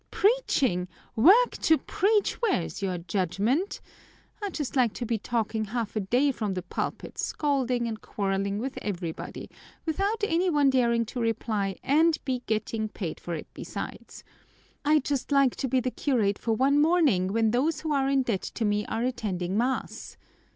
"Preaching! Work to preach! Where's your judgment? I'd just like to be talking half a day from the pulpit, scolding and quarreling with everybody, without any one daring to reply, and be getting paid for it besides. I'd just like to be the curate for one morning when those who are in debt to me are attending mass!